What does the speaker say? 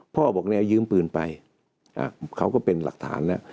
พ่อบอกเนี่ยยืมปืนไปเขาก็เป็นหลักฐานแล้ว